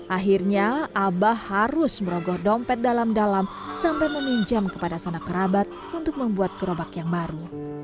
akhirnya abah harus merogoh dompet dalam dalam sampai meminjam kepada sanak kerabat untuk membuat gerobak yang baru